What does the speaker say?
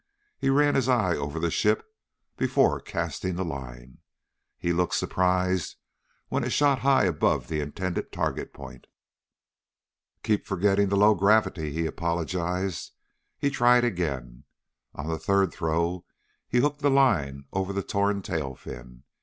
He ran his eye over the ship before casting the line. He looked surprised when it shot high above the intended target point. "Keep forgetting the low gravity," he apologized. He tried again. On the third throw he hooked the line over the torn tailfin.